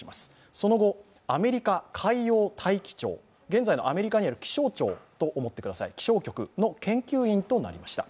その後、アメリカ海洋大気庁、現在のアメリカにある気象庁と思ってください、気象局の研究員となりました。